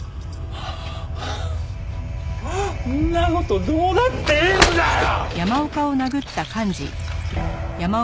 んな事どうだっていいんだよ！